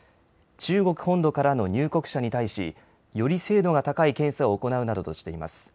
中国本土からの入国者に対しより精度が高い検査を行うなどとしています。